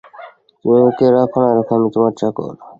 তুমি আমাকে রাখ না রাখ আমি তোমার চাকর।